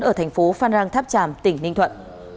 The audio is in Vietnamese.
ở thành phố phan rang tháp tràm tỉnh ninh thuận